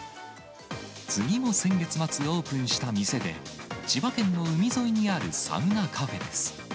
次も先月末にオープンした店で、千葉県の海沿いにあるサウナカフェです。